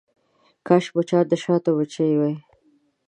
کاش مچان د شاتو مچۍ وی.